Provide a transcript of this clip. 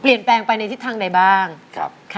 เปลี่ยนแปลงไปในทิศทางใดบ้าง